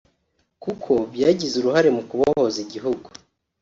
kuko ryagize uruhare mu kubohoza igihugu